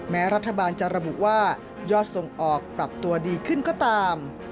แม้รัฐบาลจะระบุว่ายอดส่งออกปรับตัวดีขึ้นก็ตาม